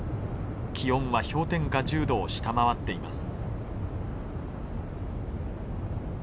気温は氷点下１０度を下回っています。